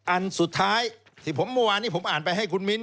อันสุดท้ายที่ผมเมื่อวานนี้ผมอ่านไปให้คุณมิ้น